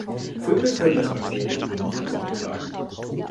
Vögel können das Bakterium ebenfalls übertragen.